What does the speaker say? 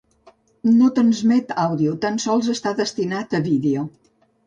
No transmet àudio, tan sols està destinat a vídeo.